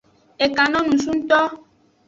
E kan no nusu ngto.